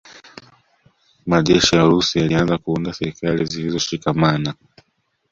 Majeshi ya Urusi yalianza kuunda serikali zilizoshikamana